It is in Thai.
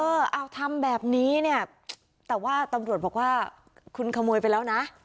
เออเอาทำแบบนี้เนี่ยแต่ว่าตำรวจบอกว่าคุณขโมยไปแล้วนะ